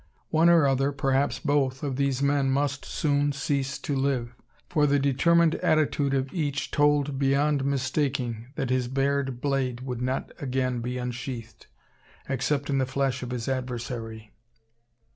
One or other, perhaps both, of these men must soon cease to live; for the determined attitude of each told, beyond mistaking, that his bared blade would not be again sheathed, except in the flesh of his adversary.